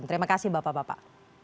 terima kasih bapak bapak